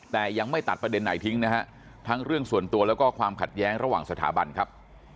แต่ยังไม่ตัดประเด็นไหนทิ้งนะฮะทั้งเรื่องส่วนตัวแล้วก็ความขัดแย้งระหว่างสถาบันครับ